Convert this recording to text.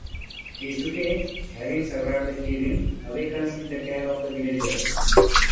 Keisuke, having survived the cave-in, awakens in the care of the villagers.